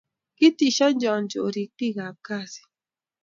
kitishonchi chorik biik ab kazit